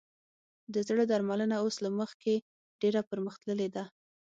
د زړه درملنه اوس له مخکې ډېره پرمختللې ده.